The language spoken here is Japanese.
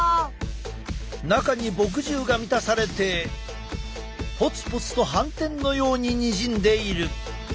中に墨汁が満たされてポツポツと斑点のようににじんでいる。